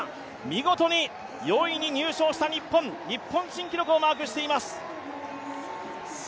見事に４位に入賞した日本、日本新記録をマークしています。